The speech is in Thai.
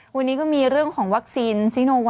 วันนี้ก็มีเรื่องของวัคซีนซิโนแว